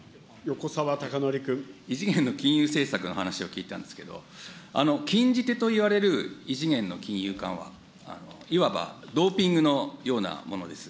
異次元の金融政策の話を聞いたんですけど、禁じ手といわれる異次元の金融緩和、いわばドーピングのようなものです。